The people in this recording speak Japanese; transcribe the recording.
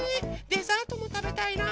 デザートもたべたいな。